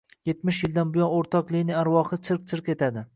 Yetmish yildan buyon o‘rtoq Lenin arvohi chirq-chirq etadi.